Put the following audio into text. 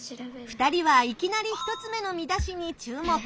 ２人はいきなり１つ目の見出しに注目！